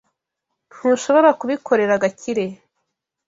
Ntushobora kubikorera Gakire.